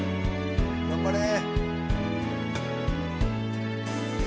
頑張れ。